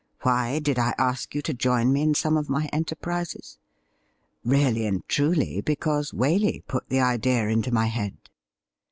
Why did I ask you to join me in some of my enterprises ? Really and truly, because Waley put the idea into my head.'